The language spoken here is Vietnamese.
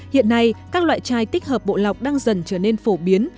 hiện nay các loại chai tích hợp bộ lọc đang dần trở nên phổ biến